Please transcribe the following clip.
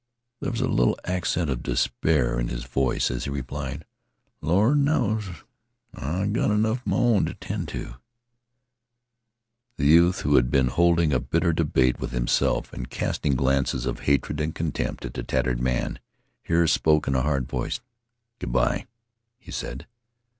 There was a little accent of despair in his voice as he replied, "Lord knows I 've gota 'nough m' own t' tend to." The youth, who had been holding a bitter debate with himself and casting glances of hatred and contempt at the tattered man, here spoke in a hard voice. "Good by," he said.